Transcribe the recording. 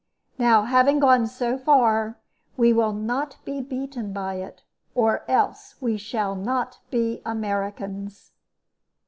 Now, having gone so far, we will not be beaten by it, or else we shall not be Americans."